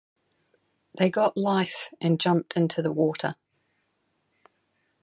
They got life and jumped into the water.